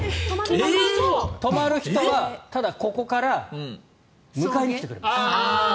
泊まる人は、ただここから迎えに来てくれます。